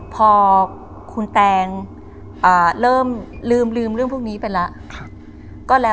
พอคุณแตงเริ่มลืมเรื่องพวกนี้ไปแล้ว